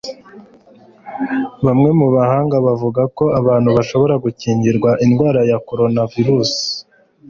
Bamwe mu bahanga bavuga ko abantu bashobora gukingirwa indwara ya koronavirusi